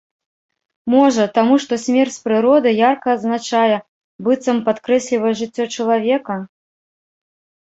Можа, таму, што смерць прыроды ярка адзначае, быццам падкрэслівае жыццё чалавека?